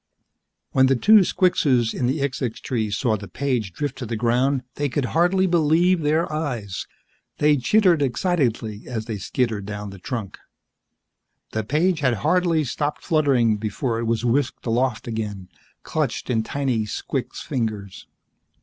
When the two squixes in the xixxix tree saw the page drift to the ground, they could hardly believe their eyes. They chittered excitedly as they skittered down the trunk. The page had hardly stopped fluttering before it was whisked aloft again, clenched in tiny squix fingers.